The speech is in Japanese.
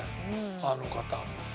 あの方。